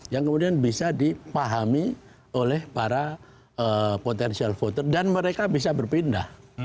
yang kemudian bisa dipahami oleh para potential voter dan mereka bisa berpindah